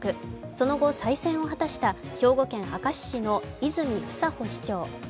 その後、再選を果たした兵庫県明石市の泉房穂市長。